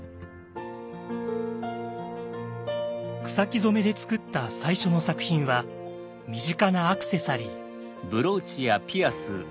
草木染めで作った最初の作品は身近なアクセサリー。